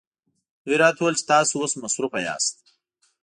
دوی راته وویل چې تاسو اوس مصروفه یاست.